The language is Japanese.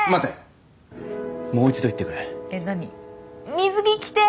水着着てえ！